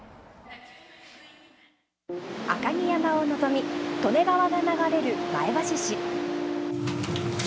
赤城山を望み利根川が流れる前橋市。